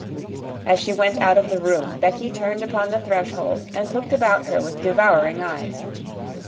As she went out of the room, Becky turned upon the threshold and looked about her with devouring eyes.